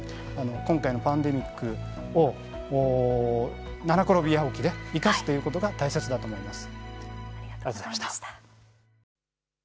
今回のパンデミックを七転び八起きで生かすということが大切だと思います。